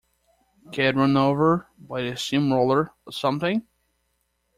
Get run over by a steam-roller or something?